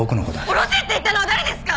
おろせって言ったのは誰ですか！